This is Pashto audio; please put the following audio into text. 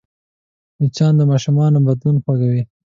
مچان د ماشومانو بدن خوږوي